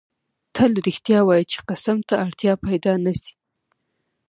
تل رښتیا وایه چی قسم ته اړتیا پیدا نه سي